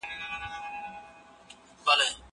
زه به اوږده موده سیر کړی وم!؟